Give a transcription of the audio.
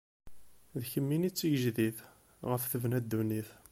D kemmini i d tigejdit, ɣef tebna ddunit.